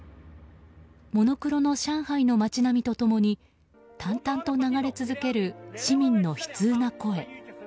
モノクロの上海の街並みと共に淡々と流れ続ける市民の悲痛な声。